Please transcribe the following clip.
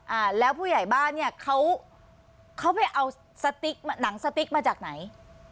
อ่าแล้วผู้ใหญ่บ้านเนี้ยเขาเขาไปเอาสติ๊กหนังสติ๊กมาจากไหน